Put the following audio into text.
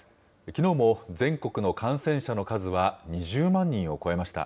きのうも全国の感染者の数は２０万人を超えました。